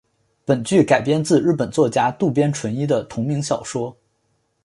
本剧改编自日本作家渡边淳一的同名小说。